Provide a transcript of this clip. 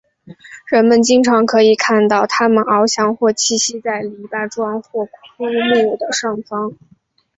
人们经常可以看到它们翱翔或栖息在篱笆桩或枯木的上方。